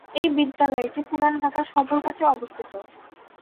এই বিদ্যালয়টি পুরান ঢাকার সদরঘাট এ অবস্থিত।